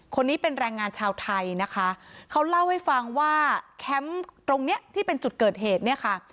คนนี้เป็นแรงงานชาวไทยนะคะเขาเล่าให้ฟังว่าแคมป์ตรงเนี้ยที่เป็นจุดเกิดเหตุเนี่ยค่ะ